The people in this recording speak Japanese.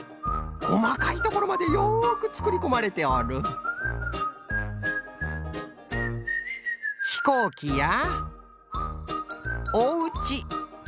こまかいところまでよくつくりこまれておるひこうきやおうち。